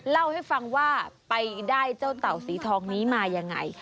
เล่าให้ฟังว่าไปได้เจ้าเต่าสีทองนี้มายังไง